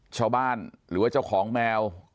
ชาวบ้านหรือว่าเจ้าของแมว